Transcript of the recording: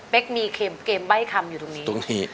เป๊กมีเกมใบ้คำอยู่ตรงนี้